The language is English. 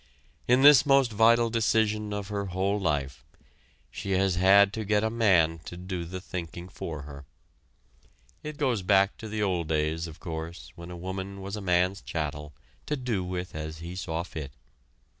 In this most vital decision of her whole life, she has had to get a man to do the thinking for her. It goes back to the old days, of course, when a woman was a man's chattel, to do with as he saw fit.